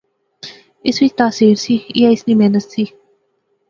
اس وچ تاثیر سی، ایہہ اس نی محنت سی